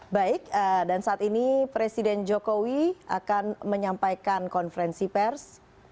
baik dan saat ini presiden jokowi akan menyampaikan konferensi pers